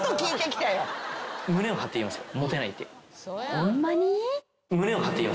ホンマに？